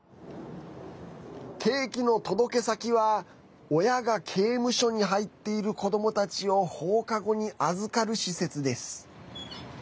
ケーキの届け先は親が刑務所に入っている子どもたちを放課後に預かる施設です。